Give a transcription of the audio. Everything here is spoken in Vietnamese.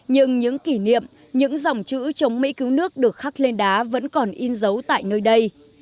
nhưng những kỷ niệm những dòng chữ chống mỹ cứu nước được khắc lên đá vẫn còn in dấu tại nơi đây